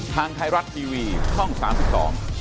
ทางไทยรัฐทีวีช่องสามสิบสอง